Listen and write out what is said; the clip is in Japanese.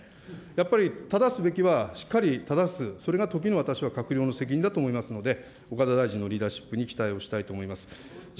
やっぱりただすべきはしっかりただす、それが時に私は閣僚の責任だと思いますので、岡田大臣のリーダーシップに期待をしたいと思います。